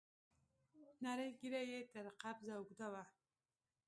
نرۍ ږيره يې تر قبضه اوږده وه.